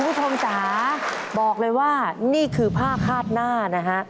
คุณผู้ชมจ๋าบอกเลยว่านี่คือผ้าคาดหน้านะฮะ